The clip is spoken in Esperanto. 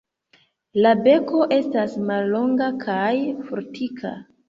La beko estas mallonga kaj fortika.